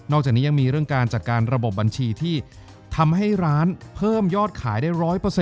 จากนี้ยังมีเรื่องการจัดการระบบบัญชีที่ทำให้ร้านเพิ่มยอดขายได้๑๐๐